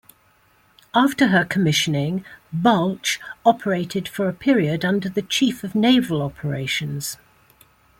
After her commissioning, "Balch" operated for a period under the Chief of Naval Operations.